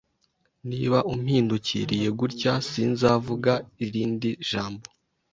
Niba umpindukiriye gutya, sinzavuga irindi jambo.